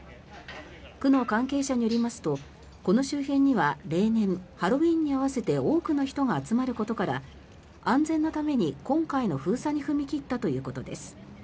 区の関係者によりますとこの周辺には例年ハロウィーンに合わせて多くの人が集まることから安全のために今回の封鎖に踏み切ったということです。